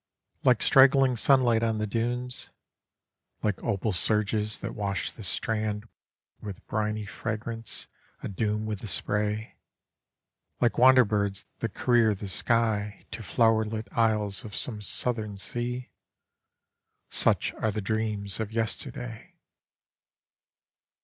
Like strangling sunlight on the dunes, Like opal surges that wash the strand With briny fragrance, adoom with the spray, Like wander birds that career the sky To flowerlit isles of some Southern sea Such are the dreans of yesterday!